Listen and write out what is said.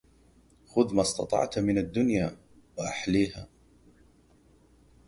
خذ ما استطعت من الدنيا وأحليها